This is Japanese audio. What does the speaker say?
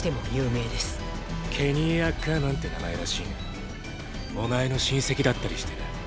ケニー・「アッカーマン」って名前らしいがお前の親戚だったりしてな。